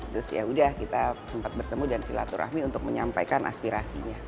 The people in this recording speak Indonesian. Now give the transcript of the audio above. terus yaudah kita sempat bertemu dan silaturahmi untuk menyampaikan aspirasinya